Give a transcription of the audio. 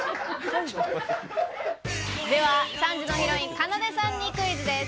では、３時のヒロイン・かなでさんにクイズです。